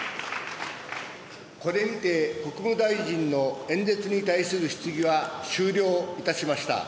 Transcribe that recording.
これにて、国務大臣の演説に対する質疑は終了いたしました。